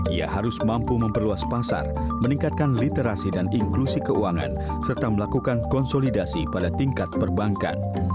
ia harus mampu memperluas pasar meningkatkan literasi dan inklusi keuangan serta melakukan konsolidasi pada tingkat perbankan